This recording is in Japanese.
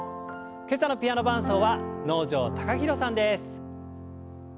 今朝のピアノ伴奏は能條貴大さんです。